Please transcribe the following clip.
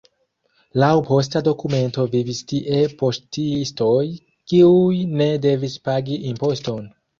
Laŭ posta dokumento vivis tie paŝtistoj, kiuj ne devis pagi imposton.